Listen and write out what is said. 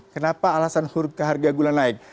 kenapa alasan huruf keharga gula naik